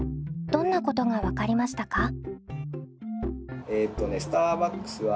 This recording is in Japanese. どんなことが分かりましたか？